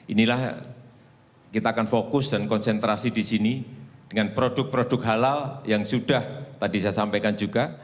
inilah kita akan fokus dan konsentrasi di sini dengan produk produk halal yang sudah tadi saya sampaikan juga